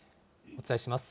お伝えします。